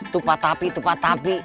tupat tapi tupat tapi